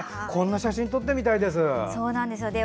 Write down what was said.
こんな写真撮ってみたいです。